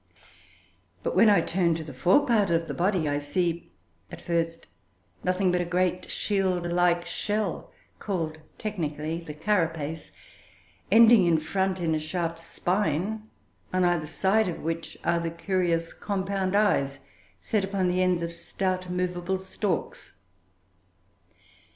But when I turn to the forepart of the body I see, at first, nothing but a great shield like shell, called technically the "carapace," ending in front in a sharp spine, on either side of which are the curious compound eyes, set upon the ends of stout movable stalks.